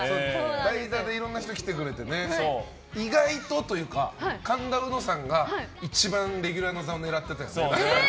代打でいろんな人来てくれてね意外とというか、神田うのさんが一番レギュラーの座を狙ってたよね。